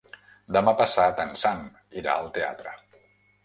Demà passat en Sam irà al teatre.